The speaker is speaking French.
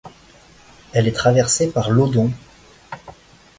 Elle est traversée par l'Odon.